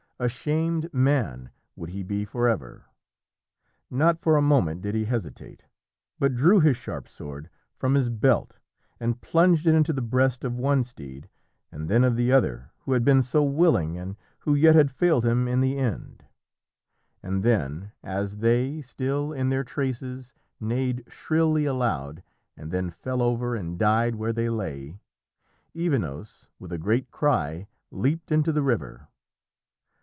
A shamed man would he be forever. Not for a moment did he hesitate, but drew his sharp sword from his belt and plunged it into the breast of one steed and then of the other who had been so willing and who yet had failed him in the end. And then, as they, still in their traces, neighed shrilly aloud, and then fell over and died where they lay, Evenos, with a great cry, leaped into the river.